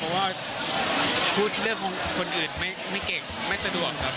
เพราะว่าพูดเรื่องของคนอื่นไม่เก่งไม่สะดวกครับ